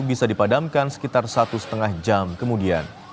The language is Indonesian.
bisa dipadamkan sekitar satu lima jam kemudian